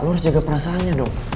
lo harus jaga perasaannya dong